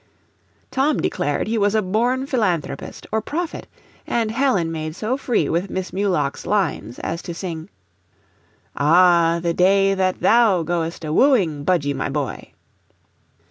Tom declared he was a born philanthropist or prophet, and Helen made so free with Miss Muloch's lines as to sing: "Ah, the day that THOU goest a wooing, Budgie, my boy!"